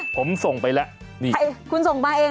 นี่ผมส่งไปแล้วนี่คุณส่งมาเองเหรอคะ